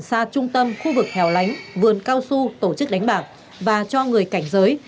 xa trung tâm khu vực hẻo lánh vườn cao su tổ chức đánh bạc và cho người cảnh giới